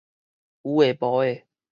有个無个